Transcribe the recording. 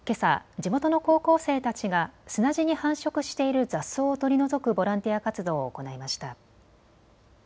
地元の高校生たちが砂地に繁殖している雑草を取り除くボランティア活動を行いました。